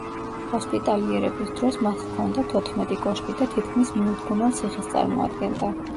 ჰოსპიტალიერების დროს მას ჰქონდა თოთხმეტი კოშკი და თითქმის მიუდგომელ ციხეს წარმოადგენდა.